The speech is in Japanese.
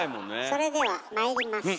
それではまいります。